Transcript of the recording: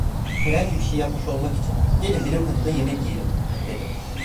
Herhangi bir şey yapmış olmak için: "Gelin, bir lokantada yemek yiyelim!" dedim.